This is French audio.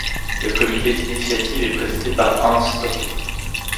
Le comité d'initiative est présidé par Hans Stöckli.